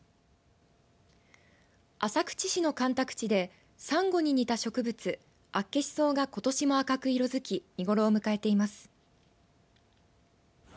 浅口市の干拓地でサンゴに似た植物アッケシソウがことしも赤く色づき見頃を迎えています。